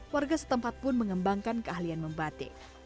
warga setempat pun mengembangkan keahlian membatik